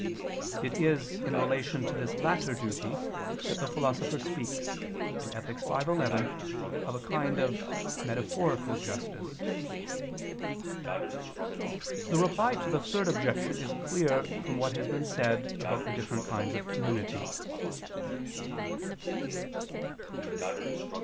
It is in relation to this latter duty that the Philosopher speaks (Ethic. v, 11) of a kind of metaphorical justice. The Reply to the Third Objection is clear from what has been said about the different kinds of community.